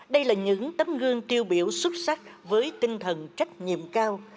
đây là những tấm gương tiêu biểu xuất sắc với tinh thần trách nhiệm cao